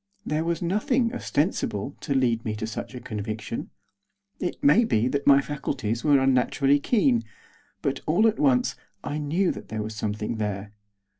There was nothing, ostensible, to lead me to such a conviction; it may be that my faculties were unnaturally keen; but, all at once, I knew that there was something there.